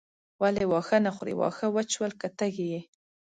ولې واښه نه خورې واښه وچ شول که تږې یې.